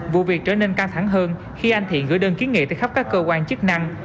vụ việc trở nên căng thẳng hơn khi anh thiện gửi đơn kiến nghị tới khắp các cơ quan chức năng